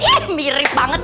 ih mirip banget